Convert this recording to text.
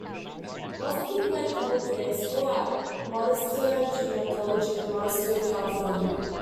Boskie played college baseball at Modesto Junior College in Modesto, California.